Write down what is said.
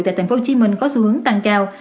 tại tp hcm có xu hướng tăng cao